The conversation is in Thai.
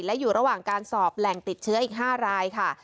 และอยู่ระหว่างการสอบแหล่งติดเชื้ออีก๕รายค่ะ